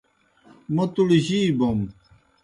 موْ تُوڑ جی بَوْم۔